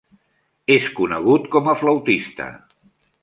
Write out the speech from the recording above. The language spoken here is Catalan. És conegut com a flautista.